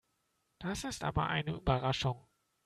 Das ist aber eine Überraschung.